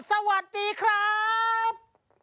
สวัสดีครับ